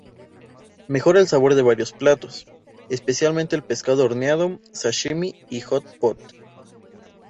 Mejora el sabor de varios platos, especialmente el pescado horneado, "sashimi" y "hot pot".